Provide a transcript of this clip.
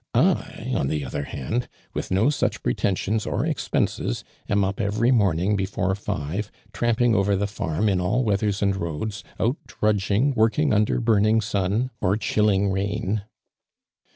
i, on the oth.er liauil, with no such pretensions or expenses, um up every morning before live ; tramping over the iiirm in all weathere and roads ; out drudging, working under burning sun, or dulling i ain."